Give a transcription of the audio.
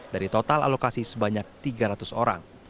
dari total alokasi sebanyak tiga ratus orang